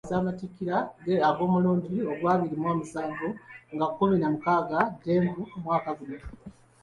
Kabaka ajja kujaguza amatikkira ge ag'omulundi agw'abiri mu musanvu nga kkumi na mukaaga ntenvu omwaka guno.